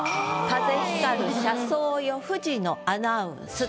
「風光る車窓よ富士のアナウンス」と。